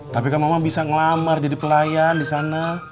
tapi kan mama bisa ngelamar jadi pelayan disana